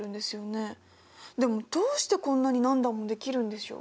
でもどうしてこんなに何段もできるんでしょう？